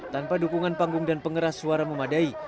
tanpa dukungan panggung dan pengeras suara memadai